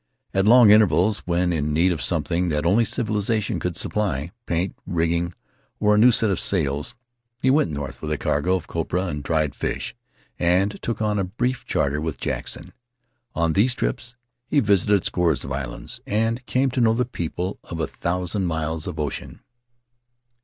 At long intervals, when in need of something that only civilization could supply — paint, rigging, or a new set of sails — he went north with a cargo of copra and dried fish and took on a brief charter with Jackson. On these trips he visited scores of islands, and came to know the people of a thousand miles of ocean.